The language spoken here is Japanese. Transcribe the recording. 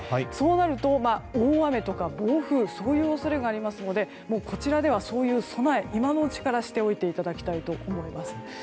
そうなると、大雨とか暴風雨の恐れがありますのでこちらではそういう備え今のうちから、しておいていただきたいと思います。